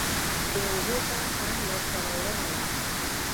د اوبو څرخ هم لاسته راوړنه وه